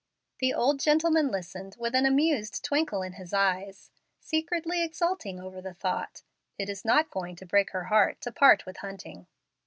The old gentleman listened with an amused twinkle in his eyes, secretly exulting over the thought, "It is not going to break her heart to part with Hunting."